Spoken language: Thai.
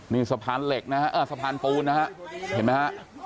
นี่สะพานปูนนะครับเห็นไหมครับ